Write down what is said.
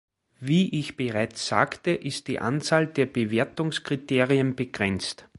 Wie ich bereits sagte, ist die Anzahl der Bewertungskriterien begrenzt.